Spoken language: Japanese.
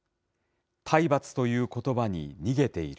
体罰ということばに逃げている。